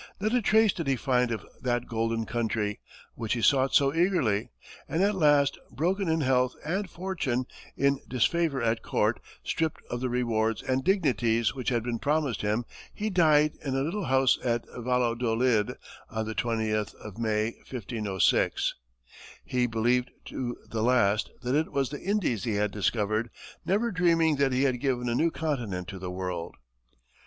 Not a trace did he find of that golden country, which he sought so eagerly, and at last, broken in health and fortune, in disfavor at court, stripped of the rewards and dignities which had been promised him, he died in a little house at Valladolid on the twentieth of May, 1506. He believed to the last that it was the Indies he had discovered, never dreaming that he had given a new continent to the world.